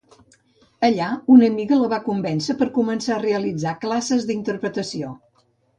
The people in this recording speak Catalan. Allà, una amiga la va convèncer per començar a realitzar classes d'interpretació.